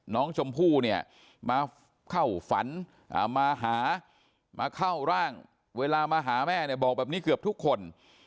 น้องชมพู่มาเข้าฝันมาเข้าร่างเวลามาหาแม่บอกแบบนี้เกือบทุกคน